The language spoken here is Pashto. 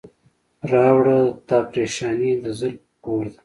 راوړه تا پریشاني د زلفو کور ته.